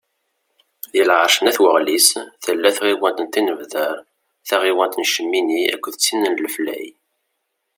Deg lεerc n At Waɣlis, tella tɣiwant n Tinebdar, taɣiwant n Cmini, akked tin n Leflay.